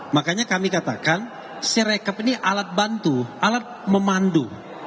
makanya kami katakan sirekap ini alat bantu alat memandu